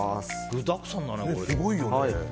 具だくさんだね。